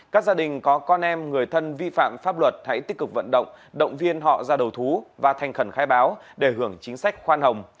các gia đình có con em người thân vi phạm pháp luật hãy tích cực vận động động viên họ ra đầu thú và thành khẩn khai báo để hưởng chính sách khoan hồng